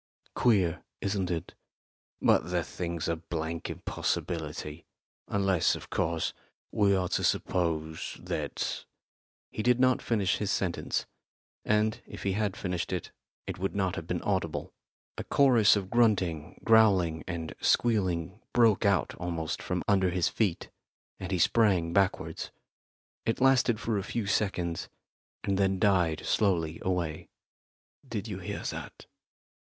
Queer, isn't it?" "But the thing's a blank impossibility. Unless, of course, we are to suppose that " He did not finish his sentence, and, if he had finished it, it would not have been audible. A chorus of grunting, growling and squealing broke out almost from under his feet, and he sprang backwards. It lasted for a few seconds, and then died slowly away. "Did you hear that?"